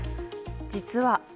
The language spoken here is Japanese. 実は。